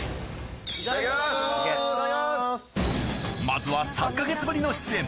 まずは３か月ぶりの出演